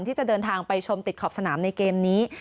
ที่จะเดินทางไปชมติดขอบสนามในเกมนี้